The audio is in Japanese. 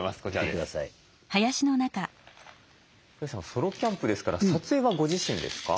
ソロキャンプですから撮影はご自身ですか？